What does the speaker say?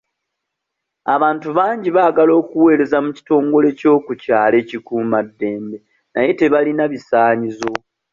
Abantu bangi baagala okuweereza mu kitongole kyokukyalo ekikuuma ddembe naye tebalina bisaanizo.